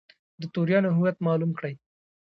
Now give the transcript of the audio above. د توریانو هویت معلوم کړي.